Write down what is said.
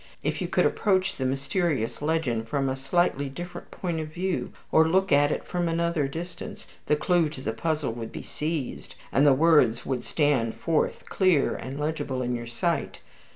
If you could approach the mysterious legend from a slightly different point of view, or look at it from another distance, the clew to the puzzle would be seized, and the words would stand forth clear and legible in your sight.